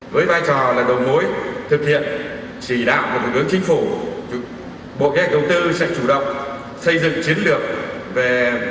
với vai trò là đồng mối thực hiện chỉ đạo một hướng chính phủ bộ kế hoạch công tư sẽ chủ động xây dựng chiến lược về bốn